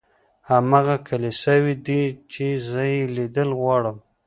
هماغه کلیساوې دي چې زه یې لیدل غواړم.